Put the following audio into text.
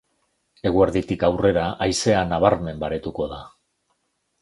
Eguerditik aurrera haizea nabarmen baretuko da.